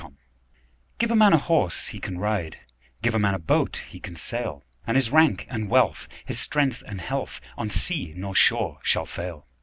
Gifts GIVE a man a horse he can ride, Give a man a boat he can sail; And his rank and wealth, his strength and health, On sea nor shore shall fail.